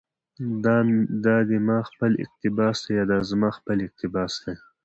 دا دي ما خپل اقتباس ده، يا دا زما خپل اقتباس دى